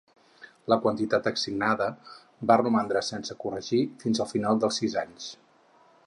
La quantitat assignada va romandre sense corregir fins al final dels sis anys.